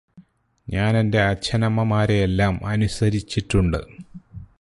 ഞാനെന്റെ അച്ഛനമ്മമാരെയെല്ലാം അനുസരിചിട്ടുണ്ട്